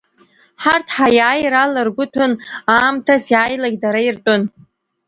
Ҳарҭ ҳаиааира ала ргәы ҭәын, аамҭас иааилакь, дара иртәын.